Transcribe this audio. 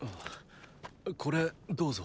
これどうぞ。